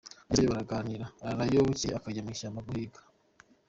Agezeyo, baraganira ararayo, bukeye bajyana mu ishyamba guhiga.